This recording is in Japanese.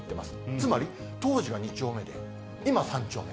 つまり、当時が２丁目で、今、３丁目。